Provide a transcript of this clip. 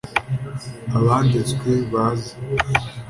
abanditswe baze.